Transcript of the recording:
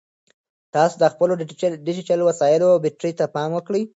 تاسو د خپلو ډیجیټل وسایلو بیټرۍ ته پام وکړئ.